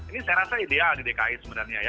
ini saya rasa ideal di dki sebenarnya ya